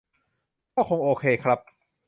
ก็คงโอเคครับ